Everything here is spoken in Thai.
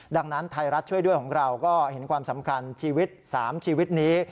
ดังนั้นไทยรัฐช่วยด้วยของเราก็เห็นความสำคัญชีวิต๓ชีวิตนี้